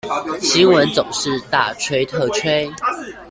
新聞總是大吹特吹